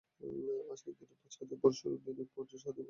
আজকের দিনের পাঁচ হাজার পরশু দিনের পঞ্চাশ হাজারের অঙ্কুর মুড়িয়ে খায়।